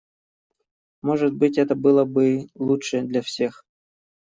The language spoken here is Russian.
Может быть это было бы лучше для всех.